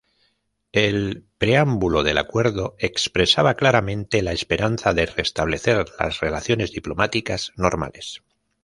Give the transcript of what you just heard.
El preámbulo del acuerdo expresaba claramente la esperanza de "restablecer las relaciones diplomáticas normales".